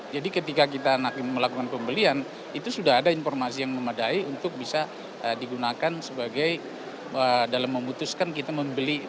jadi ketika kita melakukan pembelian itu sudah ada informasi yang memadai untuk bisa digunakan sebagai dalam memutuskan kita membeli